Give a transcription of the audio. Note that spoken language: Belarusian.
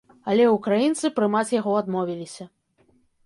Але ўкраінцы прымаць яго адмовіліся.